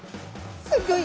すギョい